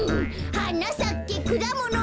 「はなさけくだもの」